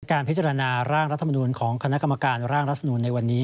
การพิจารณาร่างรัฐมนูลของคณะกรรมการร่างรัฐมนูลในวันนี้